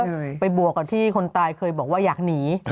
ก็เลยไปบวกกับที่คนตายเคยบอกว่าอยากหนี